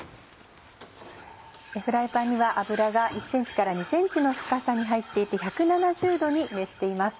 フライパンには油が１ｃｍから２ｃｍの深さに入っていて１７０℃に熱しています。